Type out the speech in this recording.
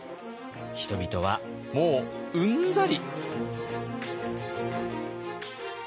人々はもううんざり。